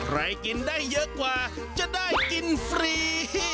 กินได้เยอะกว่าจะได้กินฟรี